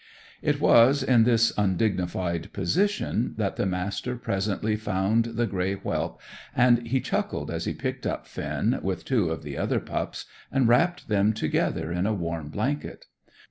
It was in this undignified position that the Master presently found the grey whelp, and he chuckled as he picked up Finn, with two of the other pups, and wrapped them together in a warm blanket.